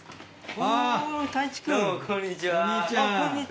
あ、こんにちは。